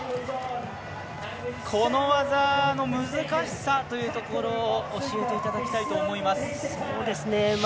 この技の難しさというところを教えていただきたいと思います。